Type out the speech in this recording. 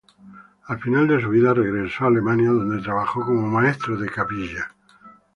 Al final de su vida regresó a Alemania, donde trabajó como maestro de capilla.